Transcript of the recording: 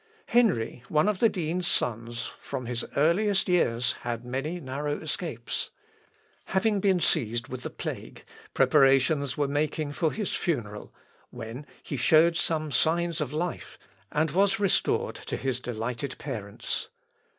Henry, one of the dean's sons, from his earliest years, had many narrow escapes. Having been seized with the plague, preparations were making for his funeral when he showed some signs of life, and was restored to his delighted parents.